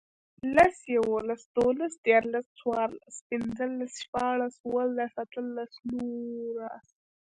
لس, یوولس, دوولس, دیرلس، څوارلس, پنځلس, شپاړس, اووهلس, اتهلس, نورلس